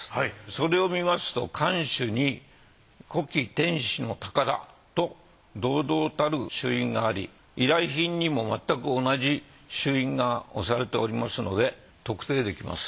それを見ますと巻首に「古稀天子之寶」と堂々たる朱印があり依頼品にもまったく同じ朱印が押されておりますので特定できます。